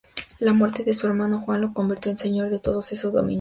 La muerte de su hermano Juan, lo convirtió en señor de todos esos dominios.